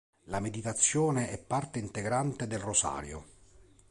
La meditazione è parte integrante del rosario.